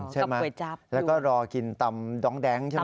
กับก๋วยจับแล้วก็รอกินตำด้องแดงค์ใช่ไหม